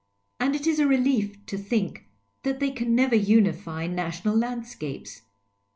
And it is a rcUef to think that they can never unify national landscapes.